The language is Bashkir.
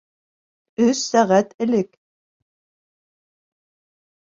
Өс сәғәт элек.